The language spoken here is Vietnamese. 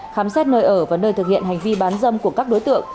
khám xét nơi ở và nơi thực hiện hành vi bán dâm của các đối tượng